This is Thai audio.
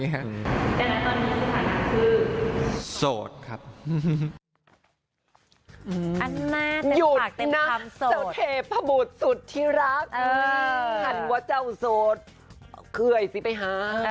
ฮันว่าเจ้าโสดเคยสิไปหา